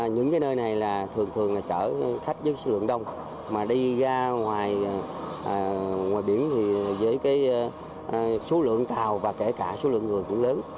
những cái nơi này là thường thường là chở khách với số lượng đông mà đi ra ngoài biển thì với cái số lượng tàu và kể cả số lượng người cũng lớn